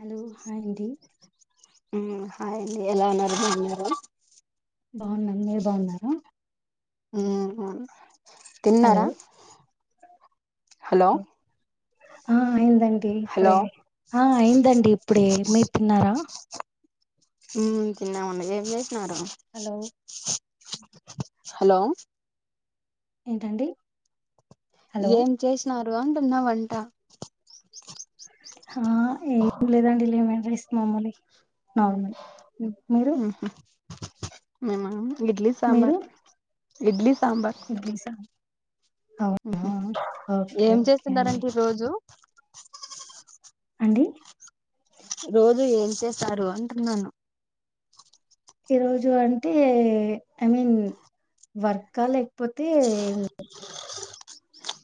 Hello hi అండి మ్మ్ hi అండీ ఎలా ఉన్నారు బాగున్నారా బాగున్నా మీరు బాగున్నారా మ్మ్ హలో తిన్నారా హలో ఆ అయిందండి హలో ఇప్పుడే ఆ అయిందండి ఇప్పుడే మీరు తిన్నారా మ్మ్ తిన్నామండీ ఏం చేసినారు హలో హలో అండి ఏం చేసినారు అంటున్నా వంట ఆ ఏం లేదండి లెమన్ రైస్ మామూలే నార్మల్ మీరు అవునా మేమా ఇడ్లీ సాంబార్ ఇడ్లీ సాంబార్ ఇడ్లీ సాంబార్ మ్మ్ హు అవునా ఓకే ఏం ఓకే అండి చేస్తున్నారంటే ఈ రోజు అండి రోజు ఏం చేస్తారు అంటున్నాను ఈ రోజు అంటే ఐ మీన్ వర్కా లేకపోతే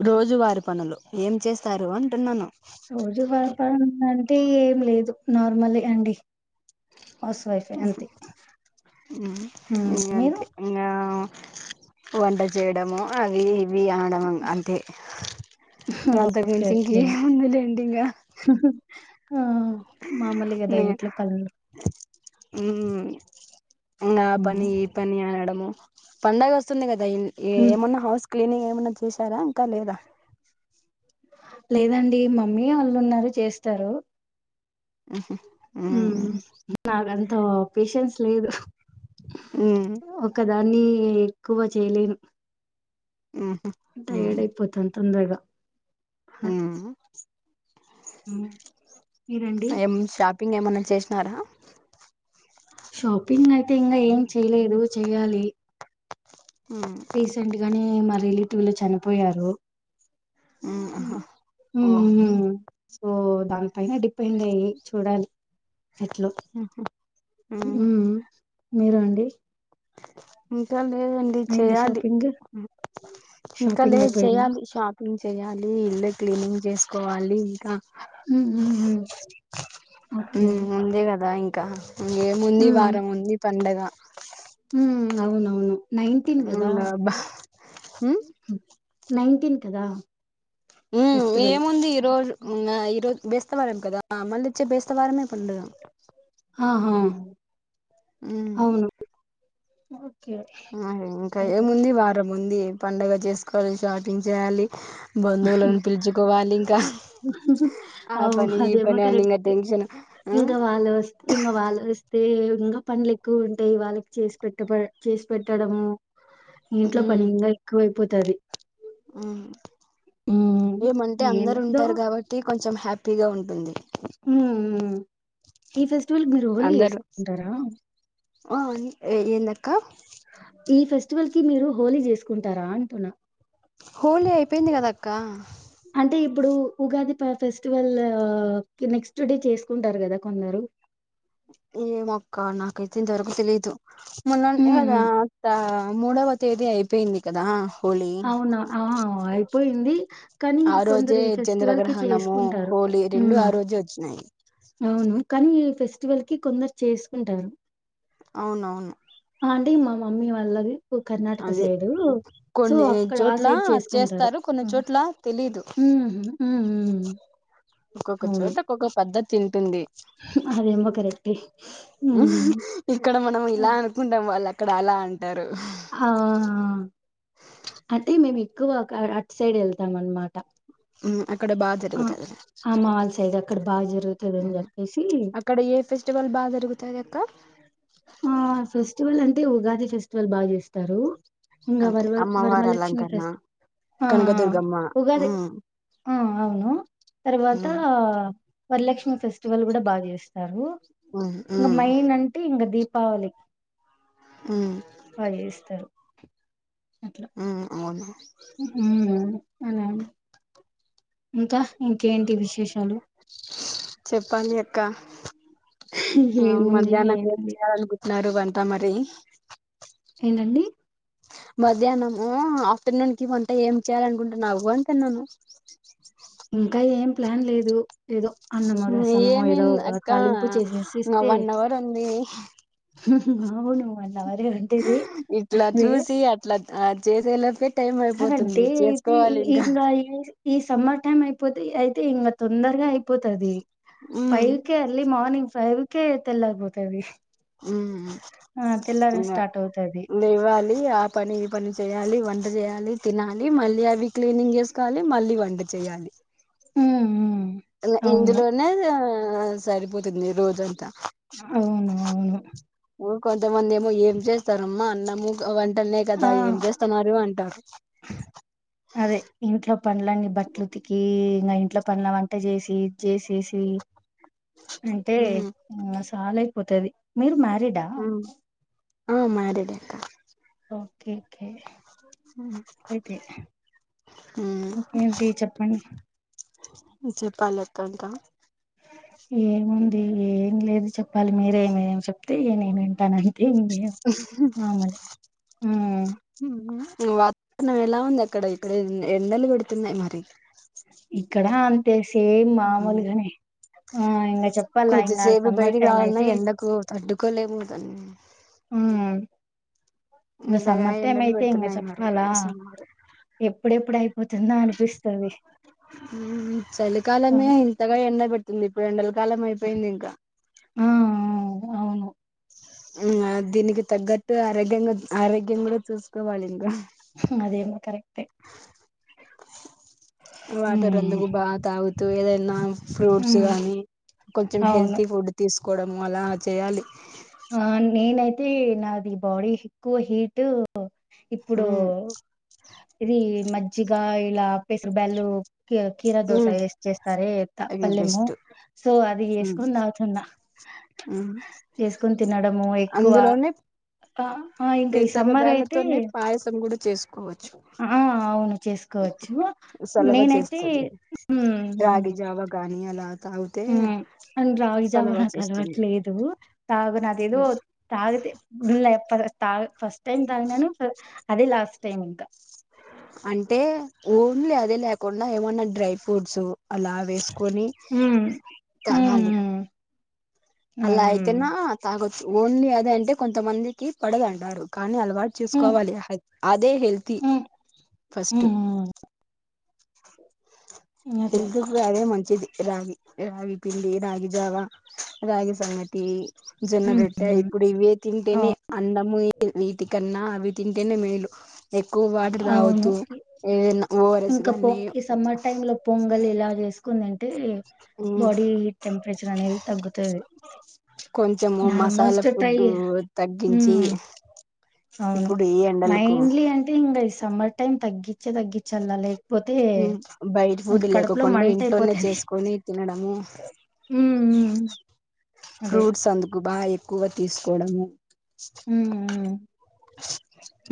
రోజు వారి పనులు ఏం చేస్తారు అంటున్నాను రోజు వారి పనులు అంటే ఏం లేదు నార్మలే అండి హౌస్ వైఫ్ అంతే హ్మ్. ఇగ మీరు అంతే ఇంకా వంట చేయడము అవి ఇవి ఆడవం అంతే అంతకు ఓకే మించి ఇంక ఓకే ఏముందిలేండీ ఇంకా ఆ మామూలు కదా ఇంట్లో పనులు మ్మ్ ఆ పని ఈ పని అనడము పండగ వస్తుంది కదా ద ఏమన్నా హౌస్ క్లీనింగ్ ఏమన్నా చేశారా ఇంకా లేదా లేదండి మమ్మీ వాళ్ళు ఉన్నారు చేస్తారు ఆహ ఉమ్మ్ నాకంత పేషెన్స్ లేదు ఉమ్మ్ దాన్ని ఎక్కువ చేయలేను ఉహు టైయార్డ్ అయిపోతాను తొందరగా ఉమ్మ్ మీరండి ఇంగ ఏమన్నా చేసినారా షాపింగ్ అయితే ఇంగా ఏం చేయలేదు చెయ్యాలి ఉమ్ రీసెంట్ గానే మా రిలేటివ్ లో చనిపోయారు. ఉమ్మ్ ఓకే మ్మ్ సో దానిపైన డిపెండ్ అయ్యి చూడాలి ఎట్లు ఉమ్ ఉమ్మ్ మీరండి చల్ లేదండి చెయాలి షాపింగ్ ఇంకా షాపింగ్ లేదు అయిపోయిందా చెయ్యాలి షాప్ న్ చెయాలి ఇల్లు క్లీనింగ్ చేసుకోవాలి ఇంకా హ్మ్. హ్మ్. హ్మ్. ఓకే. ఉమ్మ్ అంతే కదా ఇంకా ఇంగేముంది వారం ఉంది పండగ ఉమ్మ్ అవునవును నైన్ంటీన్ గదా హ్మ్ నైన్టీన్ కదా ఉమ్మ్ ఫెస్టివల్. ఏముంది ఈరోజు ఇగ ఈరోజు బేస్తవారం కదా మళ్ళీ వచ్చె బెస్తవారమే పండుగ ఆహా హ్మ్ అవును ఓకే. ఇంకా అయితే ఏముంది వారం ఉంది పండగ చేసుకోవాలి షాపింగ్ చేయాలి బంధువులను పిలుచుకోవాలి ఇంకా అ అవు అదేమో కరెక్టే టెన్షన్ ఆ ఇంకా వాళ్ళ వస్తే ఇంకా వాళ్ళు వస్తే అదే ఇంకా పనులు ఎక్కువ ఉంటాయి వాళ్ళకి చేసి పెట్ట చేసి పెట్టడము ఇంట్లో పని ఇంగ ఎక్కువైపోతది ఆ హ్మ్. ఏమంటే అందరు మేమేదో ఉంటారు కాబట్టి కొంచం కొంచెం హ్యాపీగా ఉంటుంది ఉమ్ ఈ ఫెస్టివల్ కి మీరు హోలీ అందరు చేసుకుంటారా ఆ ఎ ఎందక్క ఫెస్టివల్ కి మీరు హోలీ చేసుకుంటారా అంటున్నా హోలి అయిపోయింది కద అక్క అంటే ఇప్పుడు ఉగాది ఫెస్టివల్ నెక్స్ట్ డే చేసుకుంటారు కదా కొందరు ఏమో అక్క నాకైతే దొరుకుతలేదు మోన్న హ్మ్ కదా హ్మ్ అత్త అ మూడవ తేదీ అయిపోయింది కదా హోలీ అవునా అ అయిపోయింది కానీ ఆ ఇక రోజే కొందరు ఫెస్టివల్ కి చంద్రగ్రహణము చేసుకుంటారు హోలీ రెండు ఉమ్ ఆ రోజే వచ్చినాయి అవును కానీ ఈ ఫెస్టివల్ కి కొందరు చేసుకుంటారు. అవునవును ఆ అంటే మా మమ్మీ వాళ్ళది కర్ణాటక అదే సైడు సో కొన్ని అక్కడ ఆ చోట్ల సైడ్ చేసుకుంటారు చేస్తారు కొన్ని చోట్ల తెలీదు ఉ ఊఉ కోక్క చోట ఒక్కో పద్ధతి ఉంటుంది అదేమో కరెక్టే హ్మ్. ఇక్కడ మనం ఇలా హ్మ్. అనుకుంటాం వాళ్ళు అక్కడ అలా అంటారు ఆ ఆ అంటే మేము ఎక్కువ అట్ సైడ్ వెళ్తాం అనమాట మ్ అక్కడ బాగా జరుపుతారు మా వాళ్ళ సైడ్ అక్కడ బాగా జరుగుతది అని చెప్పేసి అక్కడ ఏ ఫెస్టివల్ బా గా జరుగుతాయ్ అక్క అతే ఉగాది ఫెస్టివల్ బాగా చేస్తారు ఇంకా అంటే వర అమ్మవారి వరమలక్ష్మి అలంకరణ ఫెస్టివల్ ఆ ఆ కనకదుర్గమ్మ ఉగాది ఉమ్ ఆ అవును తర్వాత ఉమ్ వరలక్ష్మి ఫెస్టివల్ కూడా బాగా చేస్తారు ఉమ్ ఇంగ ఉమ్ మైన్ అంట ఇం దీప్ పావాలి ఉమ్ బాగా చేస్తారు అట్లా ఉమ్ అవున ఉమ్ ఇంక ఇంకేంటి విశేషాలు చెప్పాలి అక్క ఆ ఏముంది మధ్యాహ్నం ఏం ఏముంది చేయాలి అనుకుంటున్నారు వంట మరి ఏంటండి మధ్యాహ్నము ఆఫ్టర్నూన్ కి వంట ఏం చేయాలి అనుకుంటున్నావు అని అంటున్నాను ఇంకా ఏం ప్లాన్ లేదు ఏదో అన్నమో ఉమ్, రసమో ఏదో ఏమైంది ఒక అక్క తాలింపు చేసేసి ఇంగ ఇస్తే వన్ అవర్ ఉంది హు హు అవును వన్ అవరే హా ఉంటది. ఇట్లా వే చూసి అట్లా ఆ చేసేలోపే టైం అయిపోతుంది కరడే తీ చేసుకోవాలి ఇంకా ఇంక యూస్ ఈ సమ్మర్ టైమ్ అయిపోతే అయితే ఇంకా తొందరగా అయిపోతది ఉమ్ ఫైవ్ కే అర్లీ మార్నింగ్ ఫైవ్ కే తెల్లారిపోతది ఉమ్ ఆ! తెల్లారడం ఇగ స్టార్ట్ అవుతది. లేవాలి ఆ పని ఈ పని చేయల్ యాలి వంట చేయాలి తినాలి మళ్ళీ అవి క్లీనింగ్ చేసుకోవాలి మళ్ళీ వంట చేయాలి ఉమ్ ఉమ్ ఇగ ఇందులోనే ఆ సరిపోతుంది రోజంతా అవును అవును కొంతమంది ఏమో ఏం చేస్తారమ్మా అన్నము గ వ వంట ఆ! నేకదా ఏం చేస్తున్నారు అంటారు పండ్లన్ని బట్టలుతికి ఇంకా ఇంట్లో పండ్ల అవని చేసి ఇది చేసేసి అంతే ఇంక సలయిపోతది మీరు మ్యారీడా ఉమ్ ఆ మ్యారీడ్ ఎ అక్క ఓకే ఓకే అయితే ఇంకేంటి చెప్పండి చెప్పాలక్క ఇంకా ఏముంది ఏం లేదు చెప్పాలి మీరేమేమి చెప్తే ఇక నేన్ వింటానది థెమింగేవ్ ఆ మరి ఆ వాతావరణం ఎలా ఉంది అక్కడ ఇక్కడ ఎండలు పెడుతున్నాయి మరి ఇక్కడ అంతే సేమ్ మామూలుఘనే ఆ ఇంకా చెప్పాలా ఇంకా కొద్దిసేపు సమ్మర్ బయటికి టైమ్ రావాలన్నా అయితే ఎండకు తట్టుకోలేము దాన్ని ఆ ఇకా ఇంతగా సమ్మర్ టైమ్ ఎండలు అయితే ఇంకా పెడుతున్నాయి మరి చెప్పాలా సమ్మర్ ఎప్పుడెప్పుడు అయిపోతుందో అనిపిస్తాది ఉమ్ చలికాలమే ఇంతగా ఎండ పెడు తుంది ఇప్పుడు రెండల కాలం అయిపోయింది ఇంకా ఆ అవును ఆ దీనికి తగ్గట్టు ఆరోగ్యంగా ఆరోగ్యం కూడా చూసుకోవాలి ఇంకా అదేమో కరెక్ట్ వాటర్ ఉమ్ అందుకు బా తగుతు ఏదనా ఫ్రూట్స్ ఉమ్ గానీ కొంచెం అవును హెల్తీ ఫుడ్ తీసుకోవడము అలా చేయాలి ఆ నేనైతే నాది బాడీ ఎక్కువ హీట్ ఇప్పుడు ఉమ్ ఇది మజ్జిగ ఇలా పెసర్ బ్యాలు కీరా కీరదోస ఉమ్ ఎసి చేస్తార త అది పల్లెము బెస్ట్ సో అది ఉమ్ చేేసుకొని తాగుతున్నా ఉమ్ చేసుకొని తినడము ఎక్కువ అందులోనే ఆ ఆ ఇంకా ఈ పెసర సమ్మర్ అయితే బేళ్ళతోనే పాయసం కూడా చేసుకోవచ్చు ఆ అవును చేసుకో కోవచ్చు సలవ నేనైతే చేస్తది ఉమ్ ఉమ్ ఎలా హ్మ్ అండ్ రాగి జవా నాకు అలవాట్ చేస్తుంది లేదు తాగు నాదే ఏదో తాగితే ఉల్లే పడ తా ఫస్ట్ టైం తాగినను అదే లాస్ట్ టైం ఇంకా అంటే ఓన్లీ అదే లేకుండా ఏమన్నా డ్రై ఫ్రూట్స్ అలా వేసుకొని ఉమ్ తగాలి ఉమ్ అలా ఉమ్ అయితేనా తాగొచ్చు ఓన్లీ అది అంటే కొంతమందికి పడద అంటారు కానీ అలా వాట్ ఉమ్ చుసుకోవాల అదే హెల్తీ ఉమ్ ఫస్ట్ ఉమ్ ఉమ్ అదే హెల్త్ కూడా అదే మంచిది రాగి రాగి పిల్లి రాగి జావ రాగి సంగటి జొన్నరొట్టా హుహు. ఇప్పుడు ఇవే ఆ! తింటేనే అన్నము వీటికన్నా అవి తింటేనే మేలు ఎక్కువ వాటర్ తాగుత అవును. ఏదన్నఏద ఓఆర్ఎస్ గాని వలి ఇలా చేసుకొనిదింటే బాడీ టెంపరేచర్ అనేది తగ్గుతుంది కొంచము మసాలా ఫుడ్ తగ్గించి హ్మ్. అవును ఇప్పుడు ఈ ఎండలకు మైన్లీ అంటే ఇంకా ఈ సమ్మర్ టైం తగ్గించే తగ్గించలా లెక్ బయట ఫుడ్ లేకుండా ఇంట్లోనే మంటయిపోతది. చేసుకొని తినడము హ్మ్ హ్మ్ అదే. ఫ్రూట్స్ అందుకు బాయి ఎక్కువ తీసుకోవడము హ్మ్. హ్మ్.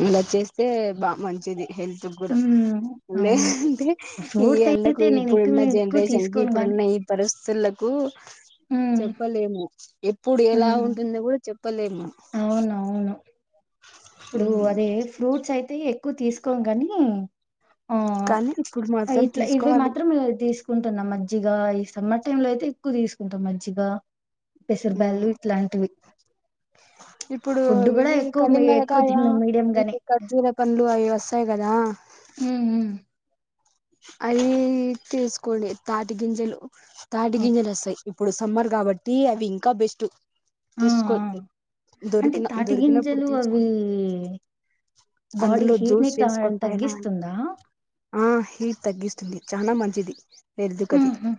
ఇలా చేస్తే బా మంచిది హెల్త్ కూడా హ్మ్. లే అవును. అంటే ఈ ఫ్రూట్స్ ఎండకు అయితే నేను ఇప్పుడున్న ఎక్కువ ఎక్కువ జనరేషన్ కి తీసుకోను గానీ ఇప్పుడున్న ఈ పర్ [unintelligible] హ్మ్. చెప్పలేము ఎప్పుడు ఎలా హ్మ్. ఉంటుందో కూడా చెప్పలేము అవునవును. ఇప్పుడు ఉమ్ అదే ఫ్రూట్స్ అయితే ఎక్కువ తీసుకోం గని ఆ కానీ ఇప్పుడు మాత్రం ఇట్లా ఇవి తీసుకోవాలి మాత్రం తీసుకుంటున్నాం మం మంచిగా ఈ సమ్మర్ టైం లో అయితే ఎక్కువ తీసుకుంటాం మంచిగా పెసరబళ్ళు ఉమ్ ఇట్లాంటివి ఇప్పుడు ఫుడ్ కూడా ఇవి ఎక్కువ మీ ఎక్కువ కలింగరకాయ తిన్నాం మీడియం ఈ గానే ఖర్జురా పండ్లు అవి వస్తాయ్ కదా హ్మ్ హ్మ్ అది తీసుకోండి తాటి గింజలు తాటి ఓకే. గింజలు వస్తాయ్ ఇప్పుడు సమ్మర్ కాబట్టి అవి ఇంకా బెస్ట్ ఆ తీసుకో ఆ అంటే దొరికిన తాటి దొరికినప్పుడు గింజలు తీసుకో అవి బాడీ అందులో హీట్ ని జ్యూస్ త- చేసుకొని పైన తగ్గిస్తుందా ఆ హీట్ తగ్గిస్తుంది చనా మంచిది ఎరిదుకది ఉహు.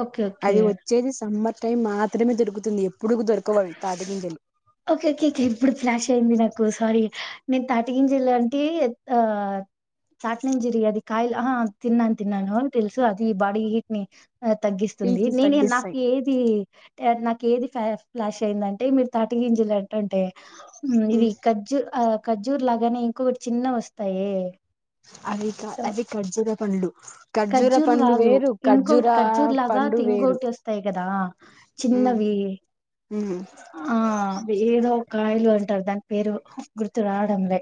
ఓకే ఓకే అది వచ్చేది సమ్మర్ టైం మాత్రమే దొరుకుతుంది ఎప్పుడు దొరకవవి తాటిగింజలు ఓకే ఓకే కే ఇప్పుడు ఫ్లాష్ అయింది నాక్ ఇంకోసారీ నేను తాటికింజలు అంటి ఆ తాట్నంజిరి అది కాయలు తిన్నాను తిన్నాను తెలుసు అది బాడీ హీట్ ని తగ్గిస్తుంది హీట్ని నేను నాకు తగ్గిస్తాయి ఇది నాకు ఏది ఫ లాష్ అయిందంటే మీరు తాటిగింజలు అంటంటే ఇది కాజ్జు కాజ్జురు లా గని ఇంకొకటి చిన్నవి వస్తాయే అవి క సో అది కాజ్జురా పండ్లు ఖర్జూర ఖర్జూర్ పండ్లు కాదు వేరు ఖర్జూర ఇంకోటి ఖర్జూర్ లాగా పండు వేరు ఇంకోటి వస్తాయి కదా చి అందవి ఆ ఏదో ఓ గాయాలు టర్ దాని పేరు గుర్తు రావడం లె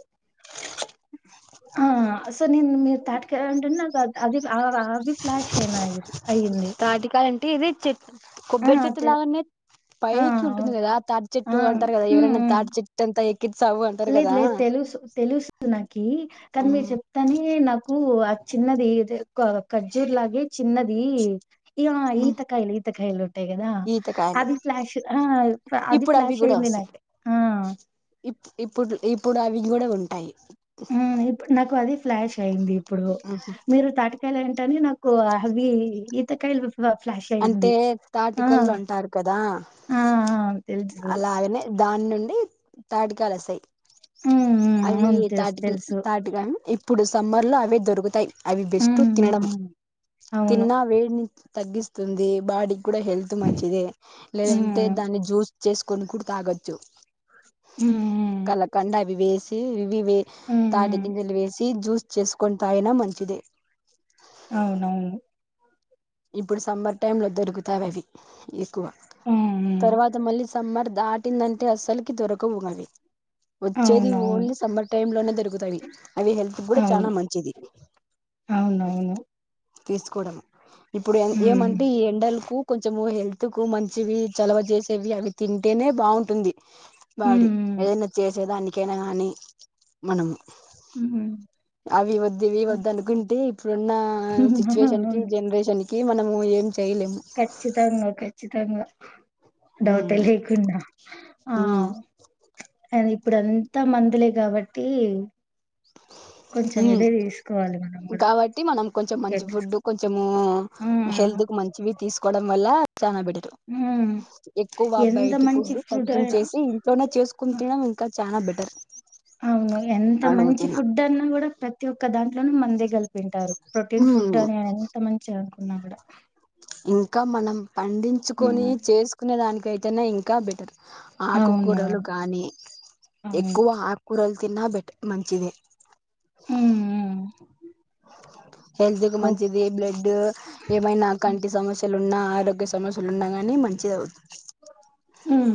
ఆ అసన్ నిన్ మీరు తాట్కయ అంటున్న నాక్ ఆద్ అది ఆ అవి ఫ్లాష్ అయినాయి అయింది తాటికాయ అంటే ఇది చెట్ ఆ కొబ్బరి తె చెట్టులాగనే ఆ పైకి ఉంటుంది అవును కదా తాటి ఆ చెట్టు అంటారు కదా హ్మ్ ఎవరైనా హ్మ్ తాటి చెట్టు అంతా ఎ లేదు లేదు తెలుసు తెలుసు నాకి కానీ మీరు చెప్తానే నాకు చిన్నది ఇ కఖజూర్లాగ చిన్నది ఈ ఈత కయల్ ఈత కైలి అట్టే కదా ఈతకాయలు అది ఫ్లాష్ అది ఇప్పుడు అవి ఫ్లాష్ కూడా అయింది వస్తాయి నాకే ఆ ఇప్పుడు ఇప్పుడు అవి కూడా ఉంటాయి ఆ ఇప్పు నాకు అది ఫ్లాష్ అయింది ఇప్పుడు మీరు తటి హలంంట అని నాకు హవి ఈత కల్ అ ఫ్లాష్ అంటే అయింది ఆ తాటికల్లు అంటారు కదా ఆ తెలుసు అలాగనే దాని నుండి తాటికాలు వసాయి హ్మ్ హ్మ్ అవి అవును తెలుసు తాటి తెలుసు తాటిగా ఇప్పుడు సమ్మర్ లో అవి దొరుకుతాయి అవి బెస్ట్ హ్మ్ తినడం హ్మ్ అవును తిన్నా వేడిని తగ్గిస్తుంది బాడీ కూడా హెల్త్ మంచిదే లేదంటే హ్మ్ దాన్ని జ్యూస్ చేసుకొని కూడా తాగొచ్చు హ్మ్ కలకంండ అవి వేసి ఇవి వే హ్మ్ తాటి హ్మ్ గింజలు వేసి జూస్ చేస్కొ తాయిిన మంచిదే అవునవును ఇప్పుడు సమ్మర్ టైమ్ లో దొరుకుతాయి అవి ఎక్కువ హ్మ్ హ్మ్ తర్వాత మళ్ళీ సమ్మర్ దాటిందంటే అసలుకి దొరకవుంగవి వచ్చేది అవునవును ఓన్లీ సమ్మర్ టైమ్ లోనే దరుగుతాయి అవి హెల్త్ కూడా అవును చాలా మంచిది అవునవును తీసుకోవడం ఇప్పుడు హ్మ్ ఏమంటే ఈ ఎండలకు కొంచము హెల్త్ కు మంచివి చలవ చేసేవి అవి తింటేనే బాగుంటుంది బాడి హ్మ్ ఏదైనా చేసే దానికైనా గాని మనము హ్మ్ అవి వద్దువి అవును వద్ అనుకుంటే ఇప్పుడున్న సిచ్యువేషన్ కి జనరేషన్ కి మనము ఏం చేయలేము ఖచ్చితంగా ఖచ్చితంగా డౌటే ఉమ్ లేకుండా ఆ ఉమ్ అని ఇప్పుడు అంతా మందులే కాబట్టి కొంచెం ఉమ్ ఇదే తీసుకోవాలి మనం కూడా కాబట్టి మనం కొంచెం మంచి కేర్ తీస్ ఫుడ్ కొంచము హ్మ్ హెల్త్ కు మంచివి తీసుకోవడం వల్ల చ పెటిటు హ్మ్ ఎక్కువ ఎంత బబయటి మంచి ఫుడ్ ఫ్రూట్ అయినా తగ్కిించేసి ఇంట్లోనే చేసుకుని తినడం ఇంకా చాలనా బట్ అవును ఎంత మంచి ఫుడ్ అన్నా కూడా ప్రతి ఒక్క దాంట్లోనూ మందే కలిపింటారు ప్రోటీన్ ఫుడ్ ఉమ్ అని ఎంత మంచి అనుకున్నా కూడా ఇంకా మనం పండించుకొని చేసుకునే దాక అయితేనే ఇంకా బెటర్ ఆకుకూరలు అవునవును కాగానీ అవును. ఎక్కువ ఆకుకూరలు తన్నా బెట్ మంచిదది హ హెల్త్ కు మంచిది బ్లడ్ ఏమైనా కంటి సమస్యలున్నా ఆరోగ్య సమస్యలు ఉన్నా కాని మంచిది అవుతుంది ఆ